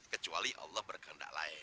kecuali allah berkendak lain